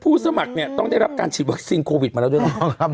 ผู้สมัครเนี่ยต้องได้รับการฉีดเวอร์ซิงโควิดมาแล้วด้วยครับผม